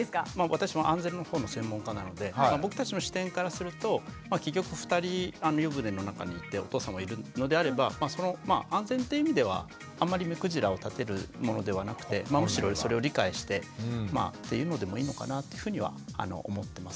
私も安全のほうの専門家なので僕たちの視点からすると結局２人湯船の中にいてお父さんもいるのであれば安全っていう意味ではあんまり目くじらを立てるものではなくてむしろそれを理解してっていうのでもいいのかなっていうふうには思ってます。